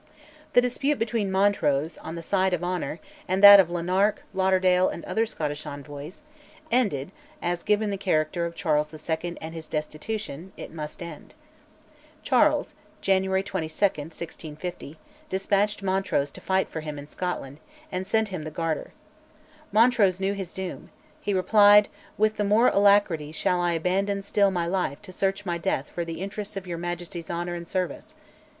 The dispute between Montrose, on the side of honour, and that of Lanark, Lauderdale, and other Scottish envoys, ended as given the character of Charles II. and his destitution it must end. Charles (January 22, 1650) despatched Montrose to fight for him in Scotland, and sent him the Garter. Montrose knew his doom: he replied, "With the more alacrity shall I abandon still my life to search my death for the interests of your Majesty's honour and service."